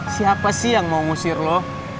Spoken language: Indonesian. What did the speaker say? siapa sih yang mau ngusir lo